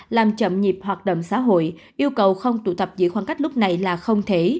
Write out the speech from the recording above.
làm chậm nhịp hoạt động xã hội yêu cầu không tụ tập giữ khoảng cách lúc này là không thể